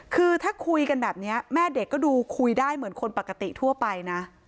คือถ้าคุยกันแบบนี้แม่เด็กก็ดูคุยได้เหมือนคนปกติทั่วไปนะ